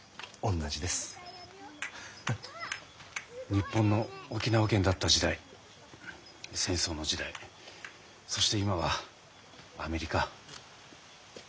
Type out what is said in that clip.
日本の沖縄県だった時代戦争の時代そして今はアメリカ。